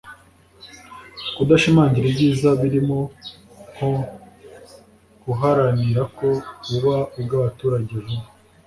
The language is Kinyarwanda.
kudashimangira ibyiza biririmo (nko guharanirako buba ubw’abaturage vuba)